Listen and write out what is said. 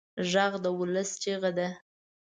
غږ د ولس چیغه ده